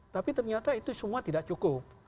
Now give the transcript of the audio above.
tapi ternyata itu semua tidak cukup